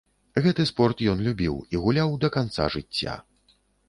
Гэты спорт ён любіў і гуляў да канца жыцця.